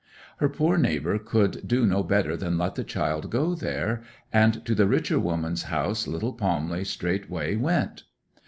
Her poor neighbour could do no better than let the child go there. And to the richer woman's house little Palmley straightway went.